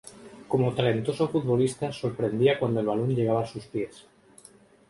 Como talentoso futbolista sorprendía cuando el balón llegaba a sus pies.